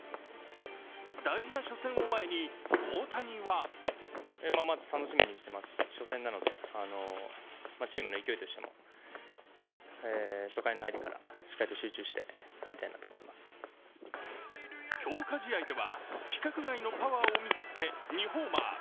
大事な初戦を前に大谷は強化試合では規格外のパワーを見せつけ２ホーマー。